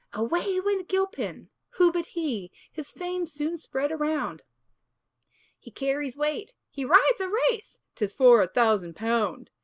Away went Gilpin who but he? His fame soon spread around; "He carries weight!" "He rides a race!" "'Tis for a thousand pound!"